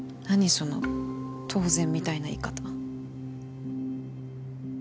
その当然みたいな言い方。